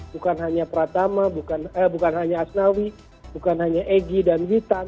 bukan hanya pratama bukan hanya asnawi bukan hanya egy dan witan